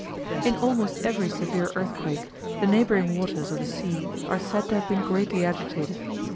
In almost every severe earthquake, the neighbouring waters of the sea are said to have been greatly agitated.